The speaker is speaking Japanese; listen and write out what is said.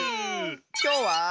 きょうは。